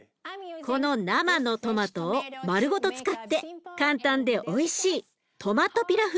この生のトマトをまるごと使って簡単でおいしいトマトピラフ